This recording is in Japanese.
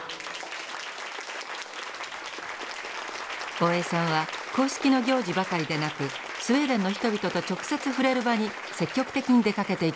大江さんは公式の行事ばかりでなくスウェーデンの人々と直接触れる場に積極的に出かけていきました。